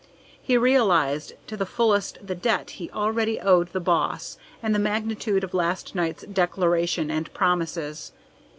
He realized to the fullest the debt he already owed the Boss and the magnitude of last night's declaration and promises.